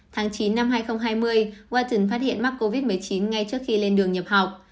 tháng chín năm hai nghìn hai mươi waton phát hiện mắc covid một mươi chín ngay trước khi lên đường nhập học